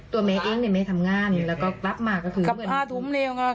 ตัวแมงเธอเองที่ไงทำงานแล้วก็กลับมา